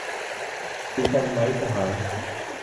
กินกันมั้ยสหาย